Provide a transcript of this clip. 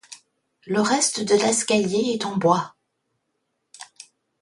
Le reste de l'escalier est en bois.